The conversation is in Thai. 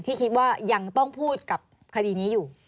ที่คิดว่ายังต้องพูดกับคดีนี้อยู่